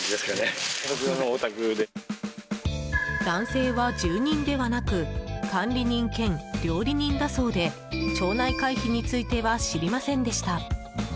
男性は、住人ではなく管理人兼料理人だそうで町内会費については知りませんでした。